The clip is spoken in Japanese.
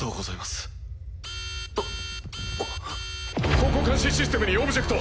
航行監視システムにオブジェクト。